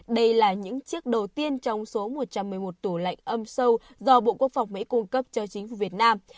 đây là những chiếc đầu tiên trong số một trăm một mươi một tủ lạnh âm sâu do bộ quốc phòng mỹ cung cấp cho chính phủ việt nam